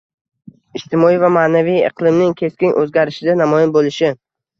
ijtimoiy va ma’naviy iqlimning keskin o‘zgarishida namoyon bo‘lishi